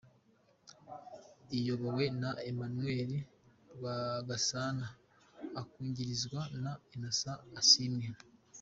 Iyobowe na Emmanuel Rwagasana, akungirizwa na Innocent Asiimwe.